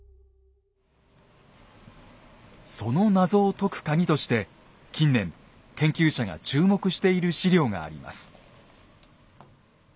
その謎を解くカギとして近年研究者が注目している史料があります。